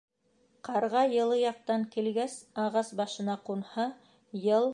Ҡарға йылы яҡтан килгәс ағас башына ҡунһа, йыл